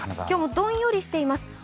今日もどんよりしています。